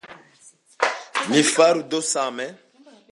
Mi faru do same!